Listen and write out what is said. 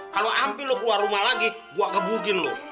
kalau hampir lo keluar rumah lagi gua gebugin lo